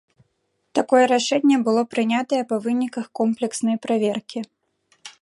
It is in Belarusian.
Такое рашэнне было прынятае па выніках комплекснай праверкі.